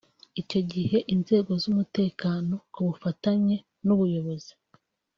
Icyo gihe inzego z’umutekano ku bufatanye n’ubuyobozi